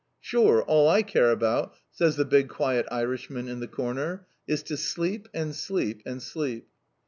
"Shure, all I care about," says the big, quiet Irishman in the corner, "is to sleep and sleep and sleep!"